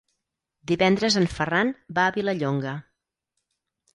Divendres en Ferran va a Vilallonga.